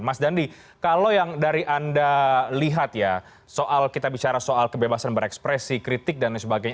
mas dandi kalau yang dari anda lihat ya soal kita bicara soal kebebasan berekspresi kritik dan sebagainya